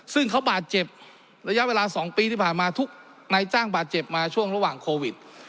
ซึ่งเขาบาดเจ็บระยะเวลา๒ปีที่ผ่านมาทุกนายจ้างบาดเจ็บมาช่วงระหว่างโควิด